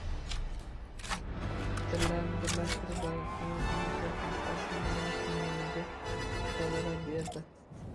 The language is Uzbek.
Dillarni birlashtirib, hayotning, yashashning asl ma’nosi neligini ifodalab berdi.